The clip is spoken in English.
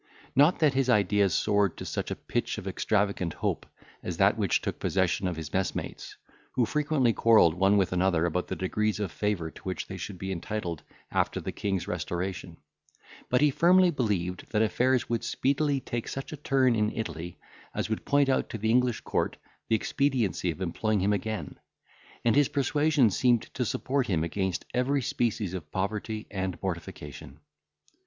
Not that his ideas soared to such a pitch of extravagant hope as that which took possession of his messmates, who frequently quarrelled one with another about the degrees of favour to which they should be entitled after the king's restoration; but he firmly believed that affairs would speedily take such a turn in Italy, as would point out to the English court the expediency of employing him again; and his persuasion seemed to support him against every species of poverty and mortification.